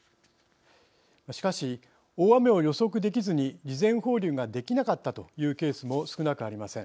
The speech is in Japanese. しかし、大雨を予測できずに事前放流ができなかったというケースも少なくありません。